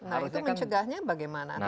nah itu mencegahnya bagaimana